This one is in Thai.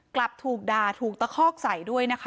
กลับถูกด่าถูกตะคอกใส่ด้วยนะคะ